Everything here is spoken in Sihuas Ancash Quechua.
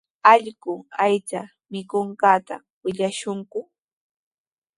Allqu aycha mikunqanta willashunku.